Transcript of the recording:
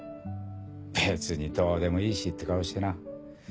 別にどうでもいいしって顔してな。